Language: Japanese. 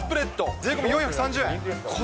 税込み４３０円。